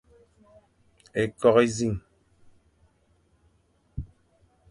Ékôkh énẑiñ,